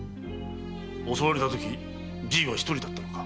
襲われたときじいはひとりだったのか？